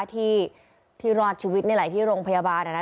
ที่รอดชีวิตในหลายที่โรงพยาบาล